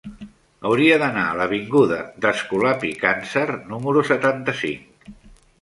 Hauria d'anar a l'avinguda d'Escolapi Càncer número setanta-cinc.